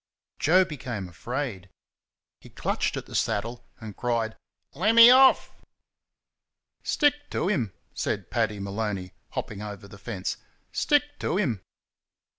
Joe became afraid. He clutched at the saddle and cried, "Let me off!" "Stick to him!" said Paddy Maloney, hopping over the fence, "Stick to him!"